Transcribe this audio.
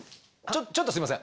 ちょっとすいません。